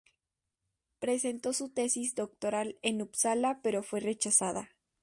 Presentó su tesis doctoral en Upsala, pero fue rechazada.